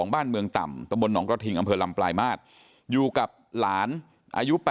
บ้านเมืองต่ำตะบนหนองกระทิงอำเภอลำปลายมาตรอยู่กับหลานอายุ๘๐